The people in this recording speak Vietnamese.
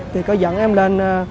thì có dẫn em lên